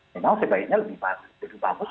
memang sebaiknya lebih bagus